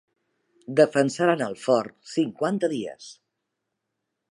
Defensaren el fort cinquanta dies.